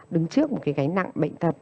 đứng trước một cái gánh nặng bệnh thật